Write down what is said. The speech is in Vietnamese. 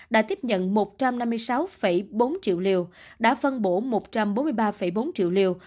đã tiếp nhận một trăm năm mươi sáu bốn triệu liều đã phân bổ một trăm bốn mươi ba bốn triệu liều